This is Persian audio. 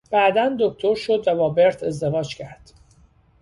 بعدا دکتر شد و با برت ازدواج کرد.